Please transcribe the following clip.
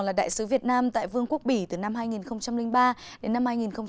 với vai trò là đại sứ việt nam tại vương quốc bỉ từ năm hai nghìn ba hai nghìn bảy